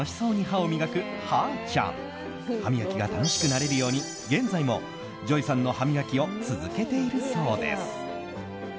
歯磨きが楽しくなれるように現在もＪＯＹさんの歯磨きを続けているそうです。